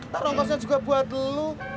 tarong kosnya juga buat lu